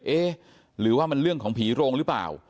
เอ๊ะหรือว่ามันเรื่องของผีโรงหรือเปล่า